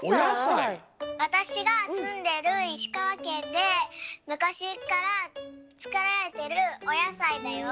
わたしがすんでるいしかわけんでむかしっからつくられてるおやさいだよ。